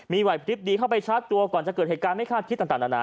มีวัยพลิปดีเข้าไปชัดตัวก่อนจะเกิดเหตุการณ์ไม่ค่าคิดต่าง